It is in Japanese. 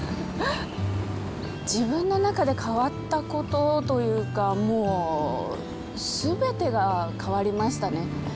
自分の中で変わったことというか、もう、すべてが変わりましたね。